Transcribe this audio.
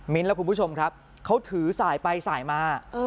และคุณผู้ชมครับเขาถือสายไปสายมา